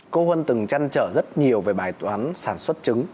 cô huân từng chăn trở rất nhiều về bài toán sản xuất trứng